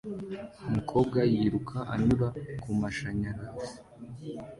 Umukobwa yiruka anyura kumashanyarazi